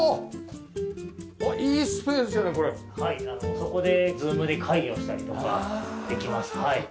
そこでＺｏｏｍで会議をしたりとかできます。